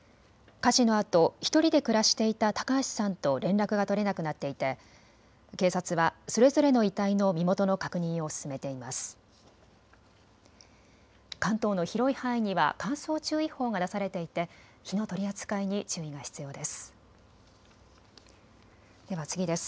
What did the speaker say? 火事のあと１人で暮らしていた高橋さんと連絡が取れなくなっていて警察はそれぞれの遺体の身元の確認を進めています。